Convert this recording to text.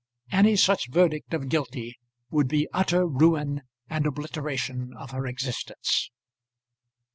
Any such verdict of guilty would be utter ruin and obliteration of her existence.